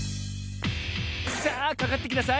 さあかかってきなさい！